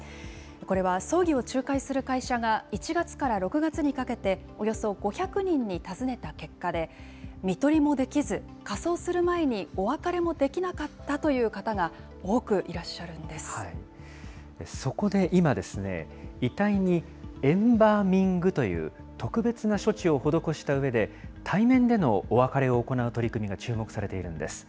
これは葬儀を仲介する会社が、１月から６月にかけて、およそ５００人に尋ねた結果で、みとりもできず、火葬する前にお別れもできなかったという方が、多くいらっしゃるそこで今、遺体にエンバーミングという特別な処置を施したうえで、対面でのお別れを行う取り組みが注目されているんです。